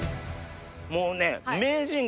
もうね。